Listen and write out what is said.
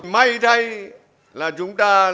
may đây là chúng ta lại